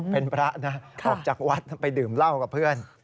เป็นพระนะออกจากวัดไปดื่มเหล้ากับเพื่อน